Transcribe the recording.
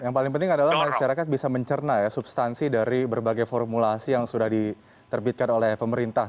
yang paling penting adalah masyarakat bisa mencerna ya substansi dari berbagai formulasi yang sudah diterbitkan oleh pemerintah